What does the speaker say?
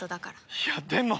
いやでも。